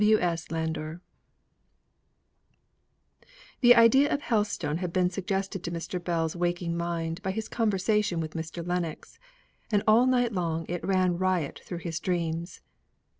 W. S. LANDOR. The idea of Helstone had been suggested to Mr. Bell's waking mind by his conversation with Mr. Lennox, and all night long it ran riot through his dreams.